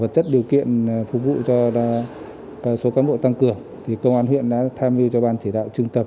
công an huyện đã tham lưu cho ban chỉ đạo trưng tập